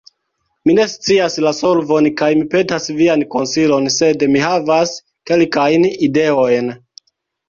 Mi ne scias la solvon, kaj petas vian konsilon, sed mi havas kelkajn ideojn.